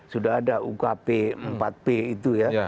sudah ada ukp empat p itu ya